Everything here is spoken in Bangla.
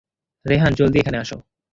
রেহান জলদি এখানে আসো!